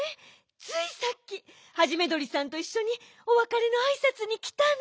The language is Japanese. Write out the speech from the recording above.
ついさっきハジメどりさんといっしょにおわかれのあいさつにきたの。